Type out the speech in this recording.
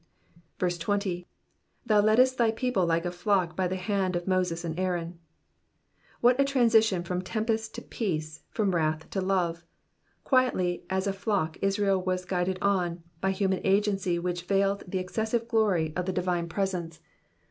20. ''''Thou leddest thy people like a flock by tlte hand of Moses and Aaron."" What a transition from tempest to peace, from wrath to love. Quietly as a flock Israel was guided on, by human agency which veiled the excessive glory of the divine presence.